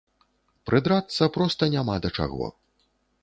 Прыдрацца проста няма да чаго.